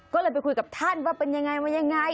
ก็เลยไปคุยกับท่านว่าเป็นยังไงมายังไง